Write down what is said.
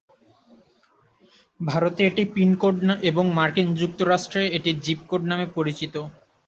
ভারতে এটি pin code এবং মার্কিন যুক্তরাষ্ট্রে এটি জিপ কোড নামে পরিচিত।